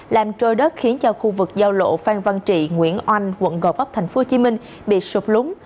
làm trôi đất khiến cho khu vực giao lộ phan văn trị nguyễn oanh quận gò vấp tp hcm bị sụp lúng